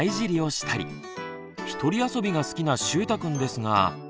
ひとり遊びが好きなしゅうたくんですが。